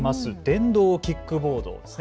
電動キックボードです。